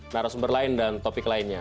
narasumber lain dan topik lainnya